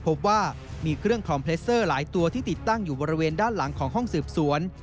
พบว่ามีเครื่องคอมเลสเตอร์หลายตัวที่ติดตั้งอยู่บริเวณด้านหลังของห้องสืบสวน